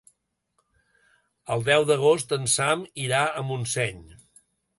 El deu d'agost en Sam irà a Montseny.